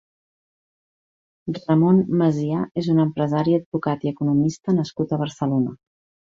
Ramon Masià és un empresari, advocat i economista nascut a Barcelona.